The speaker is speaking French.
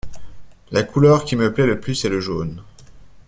La couleur qui me plait le plus est le jaune.